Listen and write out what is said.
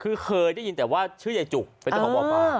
คือเคยได้ยินแต่ว่าชื่อเย้จุกอ่านะ